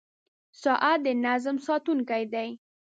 • ساعت د نظم ساتونکی دی.